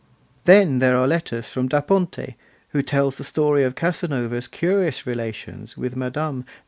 Then there are letters from Da Ponte, who tells the story of Casanova's curious relations with Mme.